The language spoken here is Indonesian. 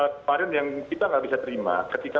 kemarin yang kita nggak bisa terima ketika